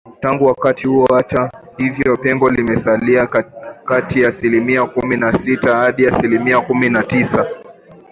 Tangu wakati huo hata hivyo pengo limesalia kati ya asilimia kumi na sita hadi aslimia kumi na tisa